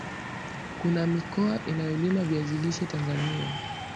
Kuna mikoa inayolima viazi lishe Tanzania